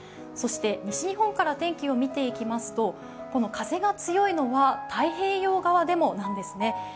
そして西日本から天気を見ていきますと風が強いのは太平洋側でもなんですね。